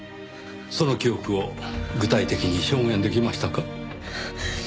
その記憶を具体的に証言できましたか？